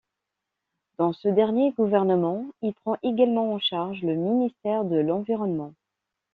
Dans ce dernier gouvernement, il prend également en charge le ministère de l'Environnement.